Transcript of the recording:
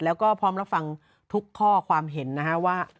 แล้วก็พร้อมรับฟังทุกข้อความเห็นนะฮะว่า